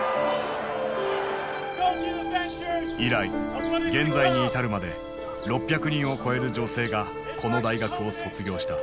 以来現在に至るまで６００人を超える女性がこの大学を卒業した。